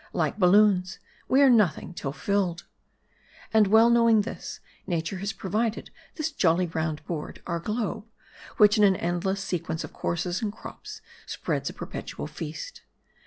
Like balloons, we are nothing till filled. And well knowing this, nature has provided this jolly round board, our globe, which in an endless sequence of courses and crops, spreads a perpetual feast.